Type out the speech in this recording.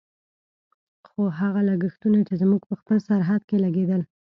خو هغه لګښتونه چې زموږ په خپل سرحد کې لګېدل.